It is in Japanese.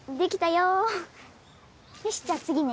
よしじゃあ次ね。